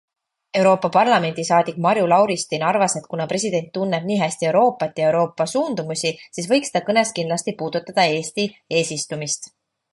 Europarlamendi saadik Marju Lauristin arvas, et kuna president tunneb nii hästi Euroopat ja Euroopa suundumusi, siis võiks ta kõnes kindlasti puudutada Eesti eesistumist.